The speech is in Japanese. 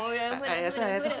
ありがとうありがとう。